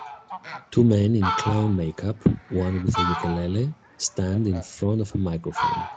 Two men in clown makeup, one with a ukulele, stand in front of a microphone.